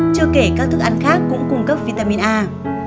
chưa kể các thức ăn khác cũng cung cấp vitamin a